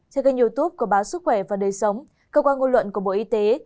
theo kênh youtube của báo sức khỏe và đời sống cơ quan ngôn luận của bộ y tế